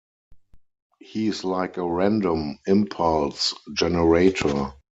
He's like a random impulse generator.